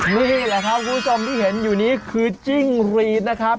นี่แหละครับคุณผู้ชมที่เห็นอยู่นี้คือจิ้งรีดนะครับ